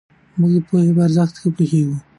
موږ د پوهې په ارزښت ښه پوهېږو.